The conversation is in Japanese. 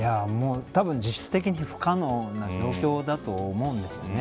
たぶん、実質的に不可能な状況だと思うんですよね。